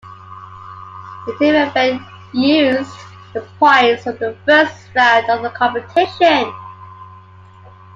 The team event used the points from the first round of competition.